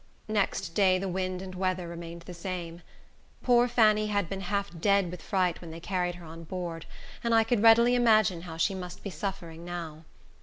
Next day the wind and weather remained the same. Poor Fanny had been half dead with fright when they carried her on board, and I could readily imagine how she must be suffering now.